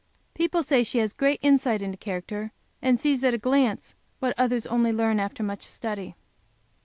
People say she has great insight into character, and sees, at a glance, what others only learn after much study.